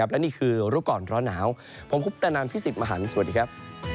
และนี่คือรุกรรณร้อนาวผมคุปตนันพี่สิบมหานสวัสดีครับ